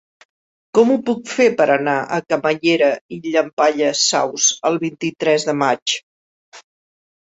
Com ho puc fer per anar a Camallera i Llampaies Saus el vint-i-tres de maig?